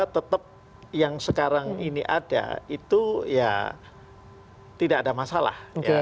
tetap yang sekarang ini ada itu ya tidak ada masalah